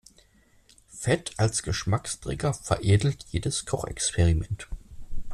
Fett als Geschmacksträger veredelt jedes Kochexperiment.